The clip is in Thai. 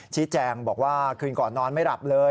ชี้แจงบอกว่าคืนก่อนนอนไม่หลับเลย